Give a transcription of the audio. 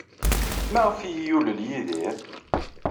Maɣef ay iyi-yulel Yidir?